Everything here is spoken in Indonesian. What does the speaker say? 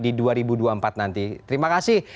di dua ribu dua puluh empat nanti terima kasih